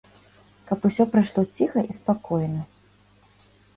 Каб усё прайшло ціха і спакойна.